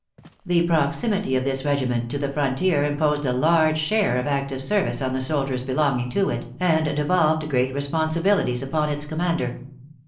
The proximity of this regiment to the frontier imposed a large share of active service on the soldiers belonging to it, and devolved great responsibilities upon its commander.